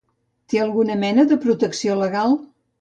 Té alguna mena de protecció legal?